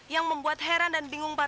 yang membuat heran dan bingung pak darius